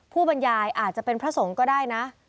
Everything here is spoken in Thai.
บรรยายอาจจะเป็นพระสงฆ์ก็ได้นะ